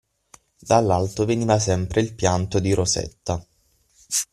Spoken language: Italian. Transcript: Dall'alto veniva sempre il pianto di Rosetta.